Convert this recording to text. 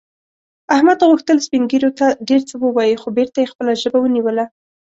احمد غوښتل سپین ږیرو ته ډېر څه ووايي، خو بېرته یې خپله ژبه ونیوله.